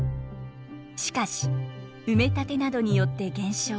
しかし埋め立てなどによって減少。